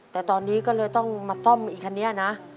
แต่ตอนนี้ก็เลยต้องมาซ่อมอีกคันนี้นะ